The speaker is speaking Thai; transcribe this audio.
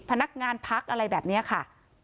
พนักงานพักอะไรแบบนี้ค่ะ